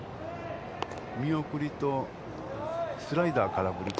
見送りとスライダー空振りか。